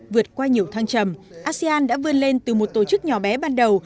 vượt qua nhiều thăng trầm asean đã vươn lên từ một tổ chức nhỏ bé ban đầu